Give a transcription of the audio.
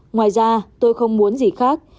ngoài ra tôi không muốn gì khác